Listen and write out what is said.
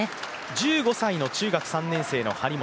１５歳の中学３年生の張本。